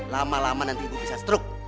lama lama nanti ibu bisa stroke